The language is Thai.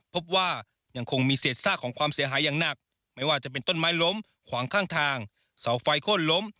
พบว่ายังคงมีเศษซากของความเสียหายอย่างหนักไม่ว่าจะเป็นต้นไม้ล้มขวางข้างทางเสาไฟโค้นล้ม